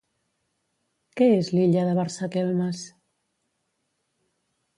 Què és l'illa de Barsakelmes?